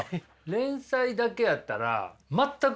連載だけやったら全くですか？